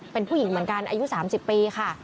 เป็นผู้หญิงเหมือนกันอายุ๓๐ปีค่ะ